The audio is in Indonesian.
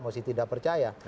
mesti tidak percaya